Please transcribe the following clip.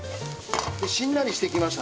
しんなりしてきました。